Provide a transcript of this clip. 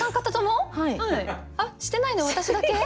してないの私だけ？